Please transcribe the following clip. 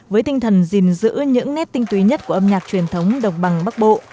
với tinh thần gìn giữ những nét tinh túy nhất của âm nhạc truyền thống độc bằng bắc bộ